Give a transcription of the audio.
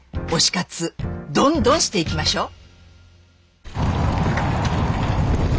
推し活どんどんしていきましょう！